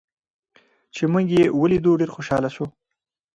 چې موږ یې ولیدو، ډېر خوشحاله شو.